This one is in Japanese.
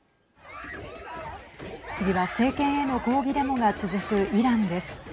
次は、政権への抗議デモが続くイランです。